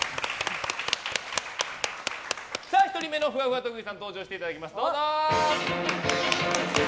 １人目のふわふわ特技さん登場していただきます。